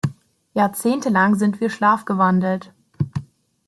Jahrzehntelang sind wir schlafgewandelt.